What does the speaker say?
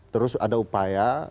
terus ada upaya